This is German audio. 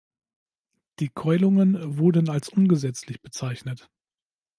Die Keulungen wurden als ungesetzlich bezeichnet.